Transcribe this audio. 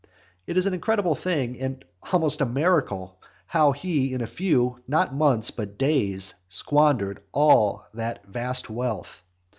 It is an incredible thing, and almost a miracle, how he in a few, not months, but days, squandered all that vast wealth.